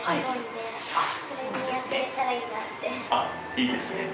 いいですね。